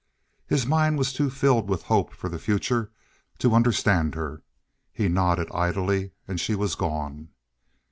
His mind was too filled with hope for the future to understand her. He nodded idly, and she was gone.